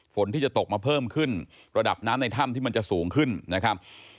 ฝนที่จะตกมาเพิ่มขึ้นระดับน้ำในถ้ำที่มันจะสูงขึ้นนะครับ